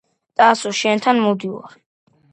ტასოო შენთან მოვდივარ